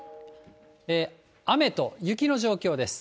雨と雪の状況です。